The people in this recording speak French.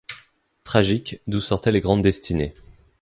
Tragiques, d'où sortaient les grandes destinées